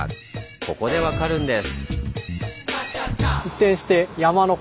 ここで分かるんです。